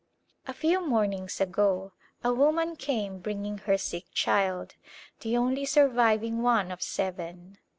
A few mornings ago a woman came bringing her sick child, the only surviving one of seven.